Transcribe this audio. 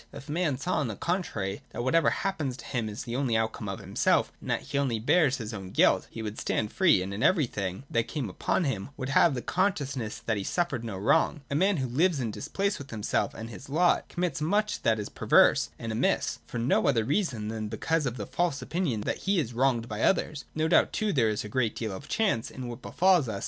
If man saw, on the contrary, that whatever happens to him is only the outcome of himself, and that he only bears his own guilt, he would stand free, and in every thing that came upon him would have the consciousness that he suffered no wrong. A man who lives in dispeace with himself and his lot, commits much that is perverse and amiss, for no other reason than because of the false opinion that he is wronged by others. No doubt too there is a great deal of chance in what befalls us.